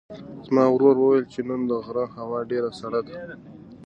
زما ورور وویل چې نن د غره هوا ډېره سړه ده.